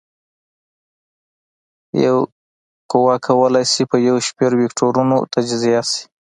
یوه قوه کولی شي په یو شمېر وکتورونو تجزیه شي.